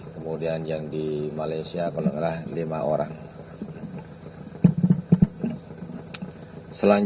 katanya ngejar ikan mereka